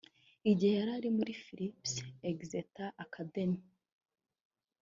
Igihe yari muri Phillips Exeter Academy